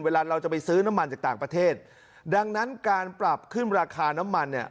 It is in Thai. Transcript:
เวลาเราจะไปซื้อน้ำมันจากต่างประเทศดังนั้นการปรับขึ้นราคาน้ำมันเนี่ย